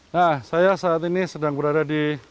nah saya saat ini sedang berada di